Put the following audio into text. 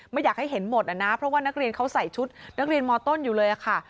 ไม่อยากให้เห็นหมดนะเพราะว่านักเรียนเขาใส่ชุดนักเรียนมต้นอยู่เลยค่ะ